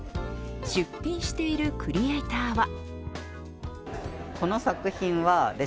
出品しているクリエイターは。